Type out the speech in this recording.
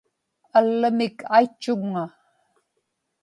allamik aitchuŋŋa